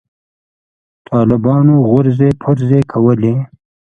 طالبانو غورځې پرځې کولې.